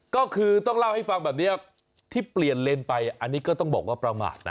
ก็คือต้องเล่าให้ฟังแบบนี้ที่เปลี่ยนเลนไปอันนี้ก็ต้องบอกว่าประมาทนะ